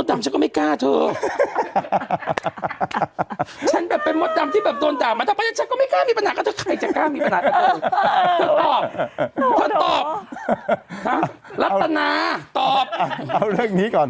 เธอตอบเธอตอบรับตนาตอบไปรับตนาเอาเรื่องนี้ก่อน